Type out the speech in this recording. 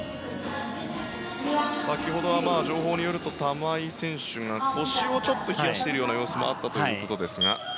先ほどは情報によると玉井選手が腰をちょっと冷やしているような様子もあったということですが。